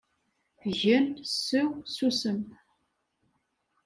Gen, seww, susem.